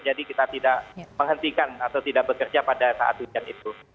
jadi kita tidak menghentikan atau tidak bekerja pada saat hujan itu